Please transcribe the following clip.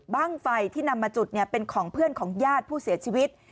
ไฟที่นำมาจุดเป็นของเพื่อนของญาติผู้เสียชีวิต